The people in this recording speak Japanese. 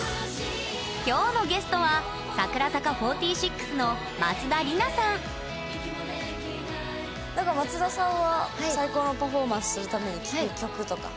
今日のゲストはなんか松田さんは最高のパフォーマンスするために聞く曲とか？